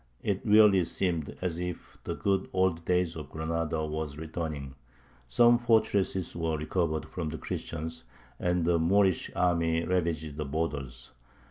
It really seemed as if the good old days of Granada were returning; some fortresses were recovered from the Christians, and the Moorish army ravaged the borders.